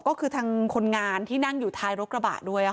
ก็คือทางคนงานที่นั่งอยู่ท้ายรถกระบะด้วย